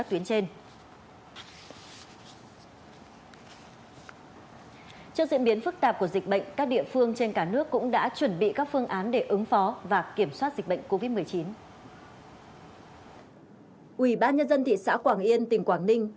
ủy ban nhân dân thị xã quảng yên tỉnh quảng ninh